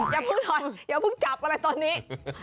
อย่าพึ่งถอดอย่าพึ่งจับอะไรตัวนี้